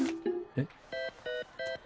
えっ？